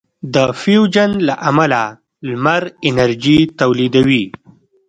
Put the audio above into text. د فیوژن له امله لمر انرژي تولیدوي.